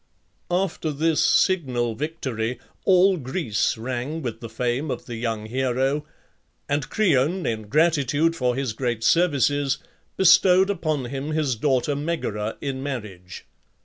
After this signal victory all Greece rang with the fame of the young hero, and Creon, in gratitude for his great services, bestowed upon him his daughter Megara in marriage.